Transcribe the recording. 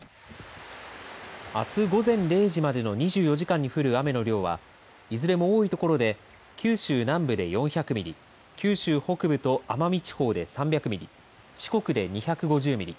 あす午前０時までの２４時間に降る雨の量はいずれも多いところで九州南部で４００ミリ九州北部と奄美地方で３００ミリ、四国で２５０ミリ